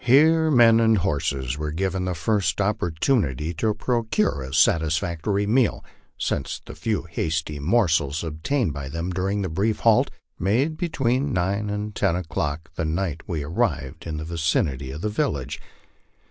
Here men and horses were given the first opportunity to procure a satisfactory meal since the few hasty morsels obtained by them during the brief halt made between nine and ten o'clock the night we arrived in the vicinity of the village.